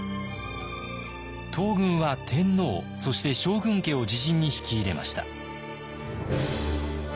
東軍は天皇そして将軍家を自陣に引き入れました。